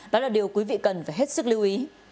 đó là điều quý vị cần phải hết sức lưu ý